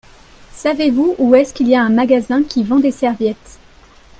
Savez-vous où est-ce qu'il y a un magasin qui vend des serviettes ?